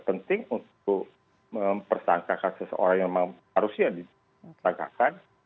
penting untuk mempersangkakan seseorang yang harusnya dipertagakan